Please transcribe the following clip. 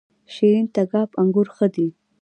شیرین تګاب انګور ښه دي؟